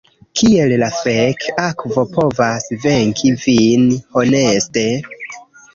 Kiel la fek' akvo povas venki vin, honeste?